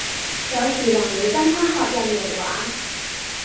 有時還會跟她學印尼話